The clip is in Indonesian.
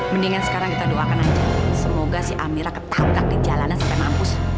mendingan sekarang kita doakan aja semoga si amira tetap gak di jalanan sampai mampus